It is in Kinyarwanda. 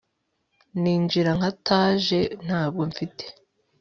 ninjira nkataje ntabwo mfite